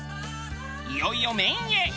いよいよメインへ。